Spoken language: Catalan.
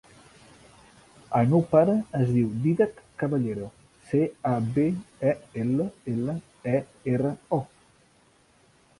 El meu pare es diu Dídac Caballero: ce, a, be, a, ela, ela, e, erra, o.